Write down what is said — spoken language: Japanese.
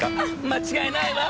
間違いないわ。